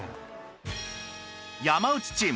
山内チーム